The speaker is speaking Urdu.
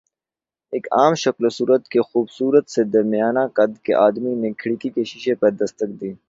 ایک عام شکل و صورت کے خوبصورت سے درمیانہ قد کے آدمی نے کھڑکی کے شیشے پر دستک دی۔